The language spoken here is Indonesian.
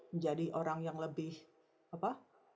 menjadi orang yang lebih apa